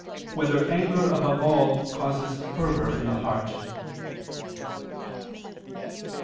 2] Whether Anger Above All Causes Fervor in the Heart?